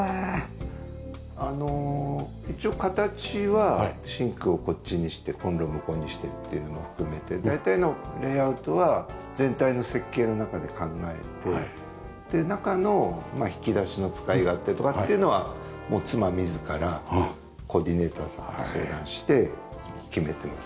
あの一応形はシンクをこっちにしてコンロを向こうにしてというのも含めて大体のレイアウトは全体の設計の中で考えて中の引き出しの使い勝手とかっていうのは妻自らコーディネーターさんと相談して決めてます。